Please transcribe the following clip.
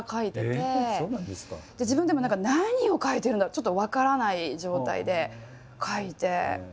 自分でも何か何を書いてるのかちょっと分からない状態で書いて。